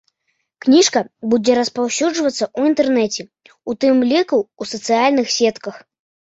Кніжка будзе распаўсюджвацца ў інтэрнэце, у тым ліку ў сацыяльных сетках.